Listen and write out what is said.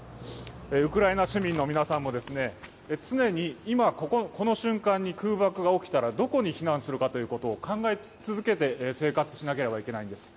ウクライナ市民の皆さんも常にこの瞬間に空爆が起きたらどこに避難するかということを考え続けて生活しなければいけないんです。